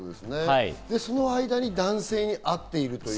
その間に男性に会っている。